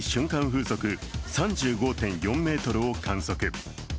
風速３５．４メートルを観測。